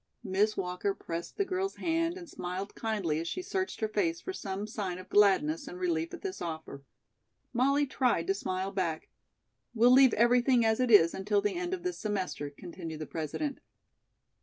Miss Walker pressed the girl's hand and smiled kindly as she searched her face for some sign of gladness and relief at this offer. Molly tried to smile back. "We'll leave everything as it is until the end of this semester," continued the President.